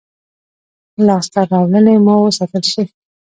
لاسته راوړنې مو وساتل شي.